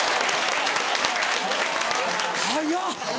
早っ。